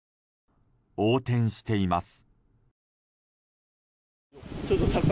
横転しています。